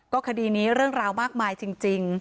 คดีนี้เรื่องราวมากมายจริง